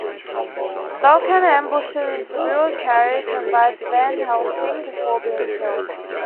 Velkan ambushes the real carriage and bites Van Helsing before being killed.